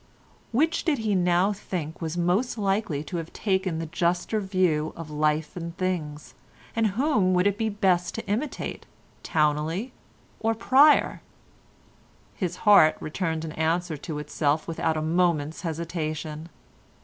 Which did he now think was most likely to have taken the juster view of life and things, and whom would it be best to imitate, Towneley or Pryer? His heart returned answer to itself without a moment's hesitation.